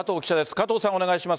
加藤さん、お願いします